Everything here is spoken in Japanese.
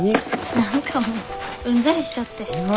何かもううんざりしちゃって。